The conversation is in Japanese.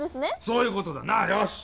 そういうことだなよし！